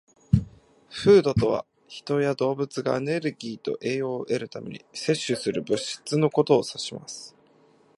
"Food" とは、人や動物がエネルギーと栄養を得るために摂取する物質のことを指します。